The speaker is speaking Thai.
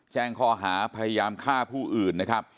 แจ้งคอหาพยายามฆ่าผู้อื่น